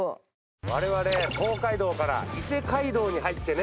我々東海道から伊勢街道に入ってね。